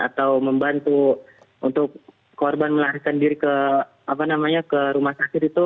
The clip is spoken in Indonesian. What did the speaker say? atau membantu untuk korban melarikan diri ke rumah sakit itu